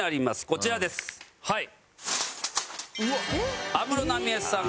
こちらですはい。